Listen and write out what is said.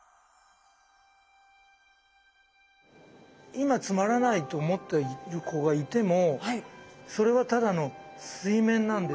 今つまらないと思っている子がいてもそれはただの水面なんです。